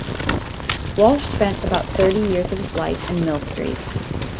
Walsh spent about thirty years of his life in Millstreet.